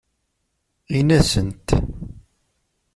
Ini-asent.